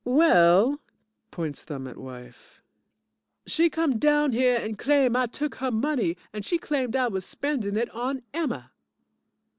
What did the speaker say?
CLIFF Well, (Points thumb at wife) she come down dere and claim I took her money and she claimed I wuz spending it on Emma.